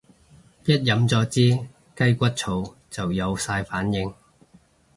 一飲咗支雞骨草就有晒反應